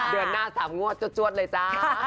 เดือนหน้า๓งวดจวดเลยจ้า